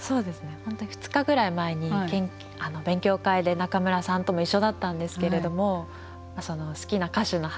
本当に２日ぐらい前に勉強会で仲邑さんとも一緒だったんですけれども好きな歌手の話。